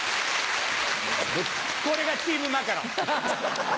これがチームマカロン。